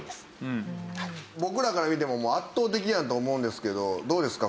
僕らから見てももう圧倒的やんと思うんですけどどうですか？